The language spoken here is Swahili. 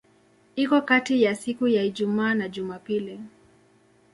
Iko kati ya siku za Ijumaa na Jumapili.